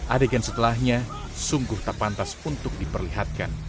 adegan setelahnya sungguh tak pantas untuk diperlihatkan